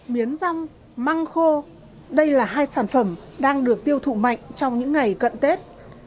miến rong măng khô đây là hai sản phẩm đang được tiêu thụ mạnh trong những ngày cận tết